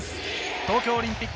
東京オリンピック